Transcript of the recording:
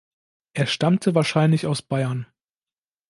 Er stammte wahrscheinlich aus Bayern.